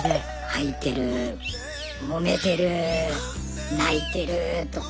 吐いてるもめてる泣いてるとか。